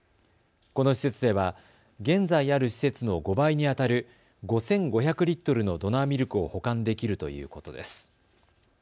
この施設では現在ある施設の５倍にあたる５５００リットルのドナーミルクを保管できるということです。